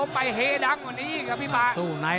เข้าเหลี่ยมซ้าย